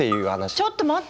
ちょっと待って。